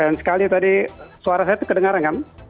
sayang sekali tadi suara saya itu terdengar nggak